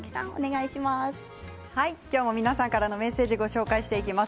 皆さんからのメッセージをご紹介していきます。